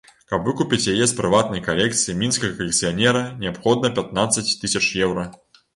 Каб выкупіць яе з прыватнай калекцыі мінскага калекцыянера, неабходна пятнаццаць тысяч еўра.